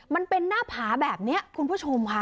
มันเป็นหน้าผาแบบนี้คุณผู้ชมค่ะ